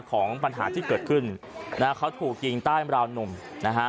ของปัญหาที่เกิดขึ้นนะฮะเขาถูกยิงใต้ราวนมนะฮะ